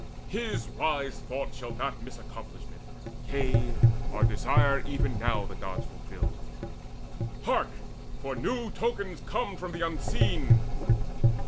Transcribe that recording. His wise thought shall not miss accomplishment. Yea, our desire even now the Gods fulfil. Hark! for new tokens come from the Unseen!